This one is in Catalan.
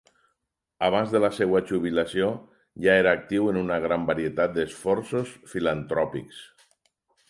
Abans de la seva jubilació, ja era actiu en una gran varietat d'esforços filantròpics.